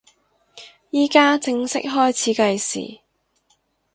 依家正式開始計時